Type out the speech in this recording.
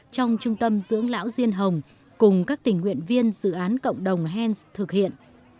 trong trung tâm dưỡng lão diên hồng cùng các tình nguyện viên dự án cộng đồng hand thực hiện